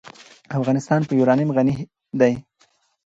افغانستان په یورانیم غني دی.